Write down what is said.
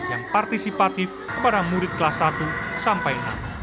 yang partisipatif kepada murid kelas satu sampai enam